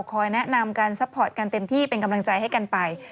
แนะนำการซัพพอร์ตกันเต็มที่เป็นกำลังใจให้กันไป